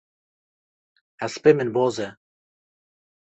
Hespê min boz e.